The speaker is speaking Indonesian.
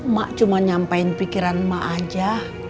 mak cuma nyampein pikiran mak aja